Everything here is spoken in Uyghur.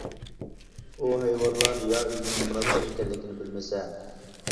ئۇ ھايۋانلار يا ئۆزىنىڭ مىراسخور ئىكەنلىكىنى بىلمىسە.